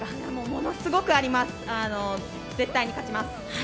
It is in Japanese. ものすごくあります、絶対に勝ちます。